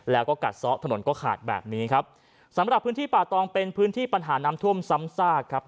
แล้วก็กัดซ้อถนนก็ขาดแบบนี้ครับสำหรับพื้นที่ป่าตองเป็นพื้นที่ปัญหาน้ำท่วมซ้ำซากครับ